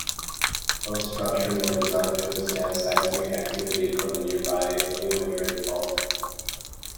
Both structures are designed to withstand seismic activity from the nearby New Madrid Fault.